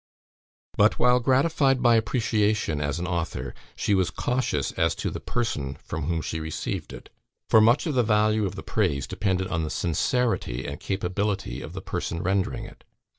But while gratified by appreciation as an author, she was cautious as to the person from whom she received it; for much of the value of the praise depended on the sincerity and capability of the person rendering it.